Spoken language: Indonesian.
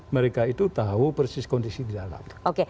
mereka itu tahu persis kondisi di dalam